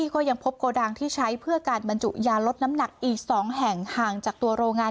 ก็ยังพบโกดังที่ใช้เพื่อการบรรจุยาลดน้ำหนักอีก๒แห่งห่างจากตัวโรงงาน